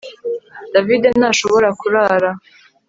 David ntashobora kurara